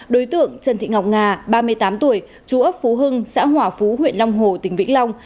đối tượng trần thị ngọc nga ba mươi tám tuổi chú ấp phú hưng xã hỏa phú huyện long hồ tỉnh vĩnh long